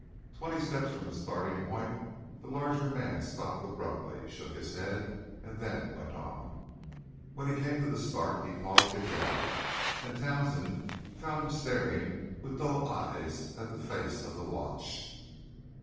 Twenty steps from the starting point the larger man stopped abruptly, shook his head, and then went on. When he came to the start he paused again, and Townsend found him staring with dull eyes at the face of the watch.